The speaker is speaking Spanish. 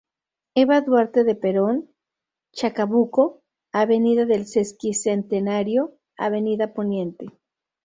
Eva Duarte de Peron, Chacabuco, Av Del Sesquicentenario, Av Pte.